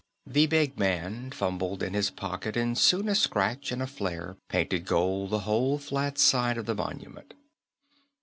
The big man fumbled in his pocket, and soon a scratch and a flare painted gold the whole flat side of the monument.